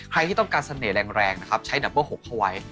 ใครที่ต้องการเสน่ห์แรงแรงนะครับใช้ดับเบิ้ลหกเขาไว้